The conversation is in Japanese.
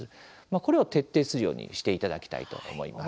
これを徹底するようにしていただきたいと思います。